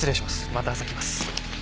また朝来ます。